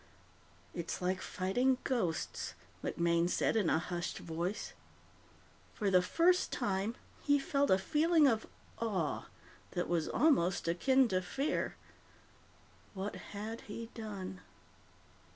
"It's like fighting ghosts," MacMaine said in a hushed voice. For the first time, he felt a feeling of awe that was almost akin to fear. What had he done?